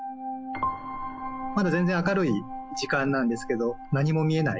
まだ全然明るい時間なんですけど、何も見えない。